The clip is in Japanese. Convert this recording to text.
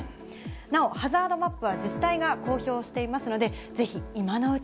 なおハザードマップは自治体が公表していますので、ぜひ今のうち